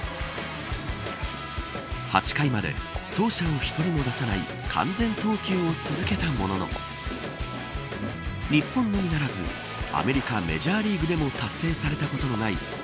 ８回まで走者を１人も出さない完全投球を続けたものの日本のみならずアメリカ、メジャーリーグでも達成されたことのない